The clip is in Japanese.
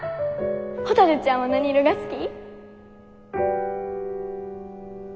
ほたるちゃんは何色が好き？